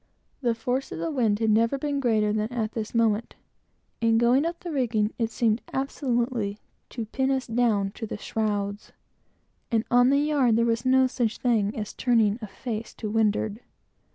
The force of the wind had never been greater than at this moment. In going up the rigging, it seemed absolutely to pin us down to the shrouds; and on the yard, there was no such thing as turning a face to windward.